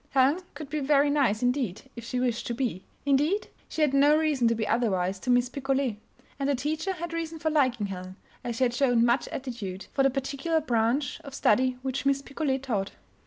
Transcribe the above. Helen could be very nice indeed, if she wished to be; indeed, she had no reason to be otherwise to Miss Picolet. And the teacher had reason for liking Helen, as she had shown much aptitude for the particular branch of study which Miss Picolet taught.